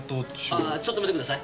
ああちょっと待ってください。